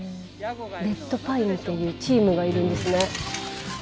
レッドパインっていうチームがいるんですね。